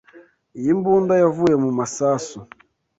Iyi mbunda yavuye mu masasu.